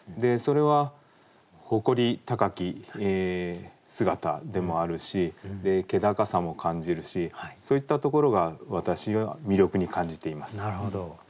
それは誇り高き姿でもあるし気高さも感じるしそういったところが私は魅力に感じています。